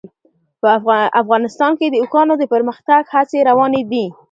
افغانستان کې د اوښانو د پرمختګ هڅې روانې دي.